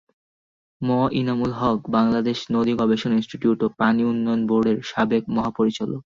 ম ইনামুল হক বাংলাদেশ নদীগবেষণা ইনস্টিটিউট ও পানি উন্নয়ন বোর্ডের সাবেক মহাপরিচালক।